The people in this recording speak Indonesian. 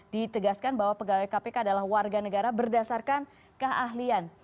ditegaskan bahwa pegawai kpk adalah warga negara berdasarkan keahlian